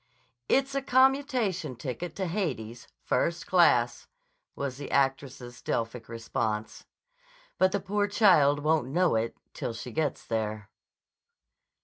"It's a commutation ticket to Hades, first class," was the actress's Delphic response. "But the poor child won't know it till she gets there."